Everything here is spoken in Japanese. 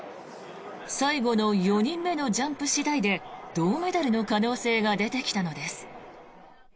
最後の４人目のジャンプ次第で銅メダルの可能性が出てきたのです。